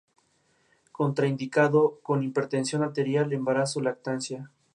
Contraindicado con hipertensión arterial, embarazo, lactancia.